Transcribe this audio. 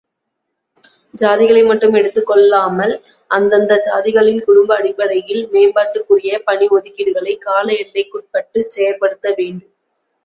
சாதிகளை மட்டும் எடுத்துக் கொள்ளாமல் அந்தந்தச்சாதிகளின் குடும்ப அடிப்படையில் மேம்பாட்டுக்குரிய பணி ஒதுக்கீடுகளைக் கால எல்லைக்குட்பட்டுச் செயற்படுத்த வேண்டும்.